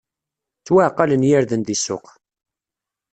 Ttwaɛqalen yirden di ssuq!